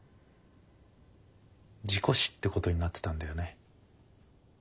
事故死ってことになってたんだよね？